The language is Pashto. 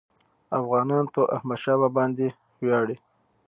افغانان په احمدشاه بابا باندي ویاړي.